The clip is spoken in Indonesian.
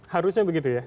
harusnya begitu ya